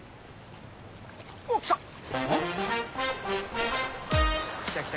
おっ来た！